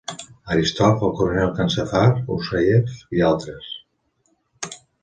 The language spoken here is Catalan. Aristov, el coronel Kanzafar Usaev i altres.